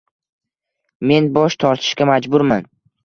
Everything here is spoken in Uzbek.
Men bosh tortishga majburman.